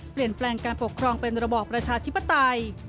เปลี่ยนแปลงการปกครองเป็นระบอบประชาธิปไตย